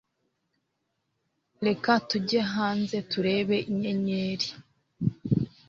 Reka tujye hanze turebe inyenyeri.